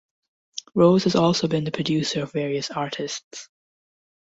Rose has also been the producer of various artists.